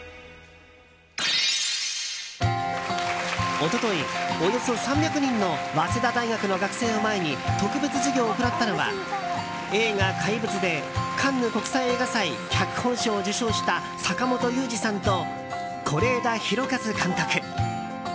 一昨日、およそ３００人の早稲田大学の学生を前に特別授業を行ったのは映画「怪物」でカンヌ国際映画祭脚本賞を受賞した坂元裕二さんと是枝裕和監督。